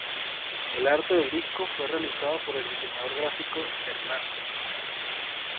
El arte del disco fue realizado por el diseñador gráfico Hernán.